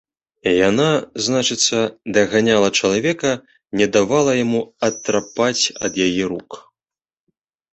Яна, значыцца, даганяла чалавека, не давала яму атрапаць ад яе рук!